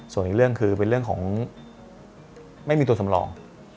ส่วนอีกเรื่องคือเป็นเรื่องของไม่มีตัวสำรอง